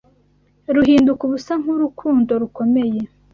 ruhinduka ubusa nkurukundo rukomeye